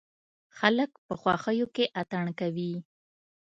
خلک په خوښيو کې اتڼ کوي.